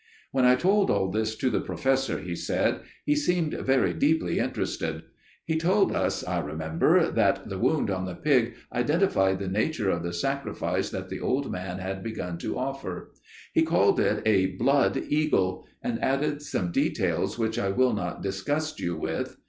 "When I told all this to the Professor," he said, "he seemed very deeply interested. He told us, I remember, that the wound on the pig identified the nature of the sacrifice that the old man had begun to offer. He called it a 'blood eagle,' and added some details which I will not disgust you with.